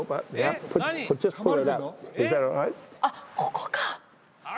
あっここか！